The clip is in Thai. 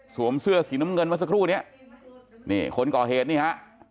สวมเสื้อสีน้ำเงินมาสักครู่เนี่ยคนก่อเหตุเนี่ยฮะ